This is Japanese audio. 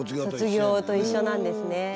卒業と一緒なんですね。